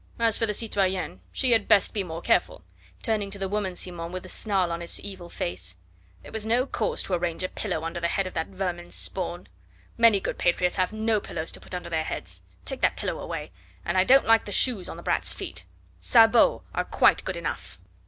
As for the citoyenne, she had best be more careful," he added, turning to the woman Simon with a snarl on his evil face. "There was no cause to arrange a pillow under the head of that vermin's spawn. Many good patriots have no pillows to put under their heads. Take that pillow away; and I don't like the shoes on the brat's feet; sabots are quite good enough."